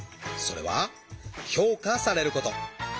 それは「評価されること」。